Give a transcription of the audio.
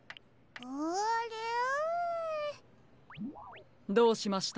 あれぇ？どうしました？